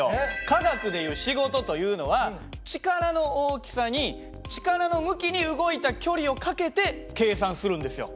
科学でいう仕事というのは力の大きさに力の向きに動いた距離を掛けて計算するんですよ。